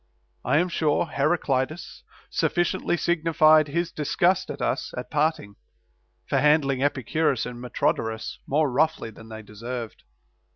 I am sure, Heraclides sufficiently signified his disgust at us at parting, for handling Epicurus and Metrodorus more roughly than they deserved.